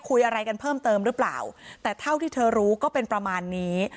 คุยอะไรกันเพิ่มเติมหรือเปล่าแต่เท่าที่เธอรู้ก็เป็นประมาณนี้